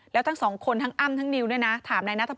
แล้วทั้งสองคนทั้งอ้ำทั้งนิวเนี่ยนะ